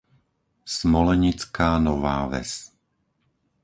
Smolenická Nová Ves